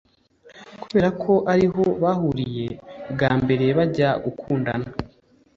kubera ko ariho bahuirye bwa mbere bajya gukundana